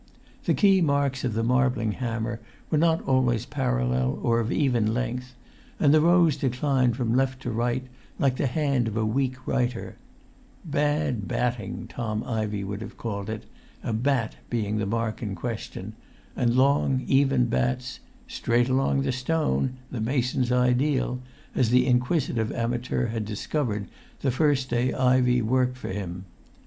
The key marks of the marbling hammer were not always parallel or of even length, and the rows declined from left to right like the hand of a weak writer: "bad batting," Tom Ivey would have called it, a "bat" being the mark in question, and long, even bats, "straight along the stone," the mason's ideal, as the inquisitive amateur had discovered the first day Ivey worked for him.